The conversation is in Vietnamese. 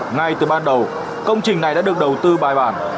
ngay từ ban đầu công trình này đã được đầu tư bài bản